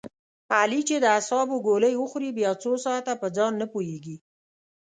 علي چې د اعصابو ګولۍ و خوري بیا څو ساعته په ځان نه پوهېږي.